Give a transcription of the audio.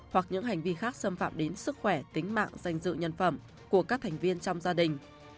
hoặc những hành vi khác xâm phạm đến sức khỏe tính mạng danh dự nhân phẩm của các thành viên trong gia đình